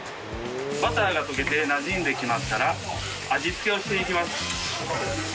バターが溶けてなじんできましたら味付けをしていきます。